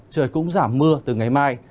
trời cũng giảm mưa từ ngày mai